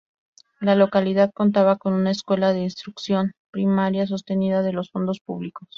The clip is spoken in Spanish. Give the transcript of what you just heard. La localidad contaba con una escuela de instrucción primaria sostenida de los fondos públicos.